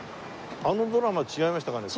あのドラマ違いましたかね？